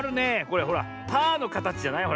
これほらパーのかたちじゃない？